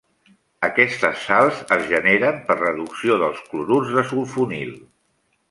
Aquestes sals es generen per reducció dels clorurs de sulfonil.